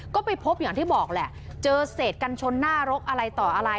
ก็ไปพบอย่างที่บอกแหละเจอเศษกันชนหน้ารกอะไรต่ออะไร